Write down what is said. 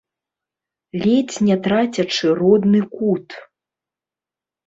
Ледзь не трацячы родны кут.